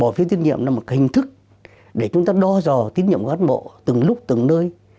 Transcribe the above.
bỏ phiếu tiết nhiệm là một hình thức để chúng ta đo dò tín nhiệm của cán bộ từng lúc từng nơi